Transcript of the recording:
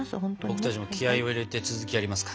僕たちも気合を入れて続きやりますか。